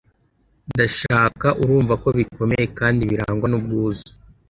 Ndashaka urumva ko bikomeye kandi birangwa nubwuzu